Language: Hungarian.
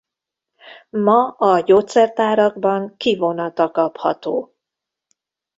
Ma a gyógyszertárakban kivonata kapható.